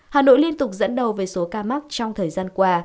hà nội liên tục dẫn đầu về số ca mắc trong thời gian qua